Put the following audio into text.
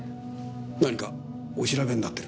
何かお調べになってる？